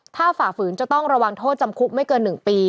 ถ้าฝ่าฝืนจะต้องระวังโทษจำคุกไม่เกิน๑ปี